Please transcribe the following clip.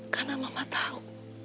karena mama tau